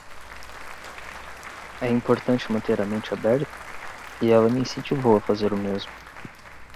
É importante manter a mente aberta? e ela me incentivou a fazer o mesmo.